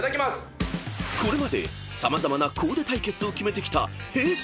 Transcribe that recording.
［これまで様々なコーデ対決をキメてきたＨｅｙ！